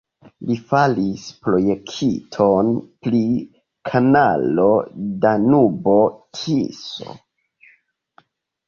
Li faris projekton pri kanalo Danubo-Tiso.